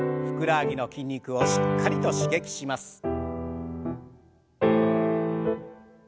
ふくらはぎの筋肉をしっかりと刺激します。